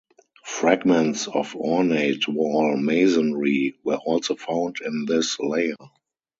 Fragments of ornate wall masonry were also found in this layer.